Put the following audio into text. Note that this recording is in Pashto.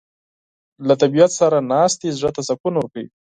له طبیعت سره ناستې زړه ته سکون ورکوي.